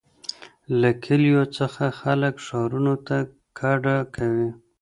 له کلیو څخه خلک ښارونو ته کډه کوي.